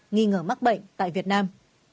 nghi ngờ mắc bệnh tại việt nam